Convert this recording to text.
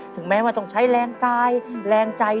ถึงแม้ว่าต้องใช้แรงกายแรงใจ